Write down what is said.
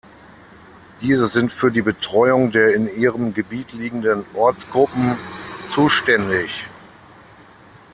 Diese sind für die Betreuung der in ihrem Gebiet liegenden „Ortsgruppen“ zuständig.